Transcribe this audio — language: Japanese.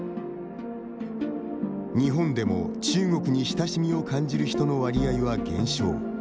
日本でも、中国に親しみを感じる人の割合は減少。